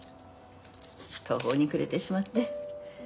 途方に暮れてしまって。